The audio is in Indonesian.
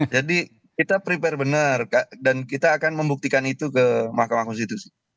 jadi kita prepare benar dan kita akan membuktikan itu ke makamah konstitusi